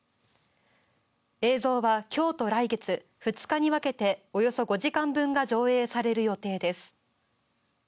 映像は今日と来月２日に分けておよそ５時間分が上映される予定です。